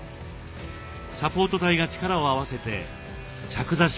サポート隊が力を合わせて着座式